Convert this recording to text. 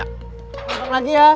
keluar lagi ya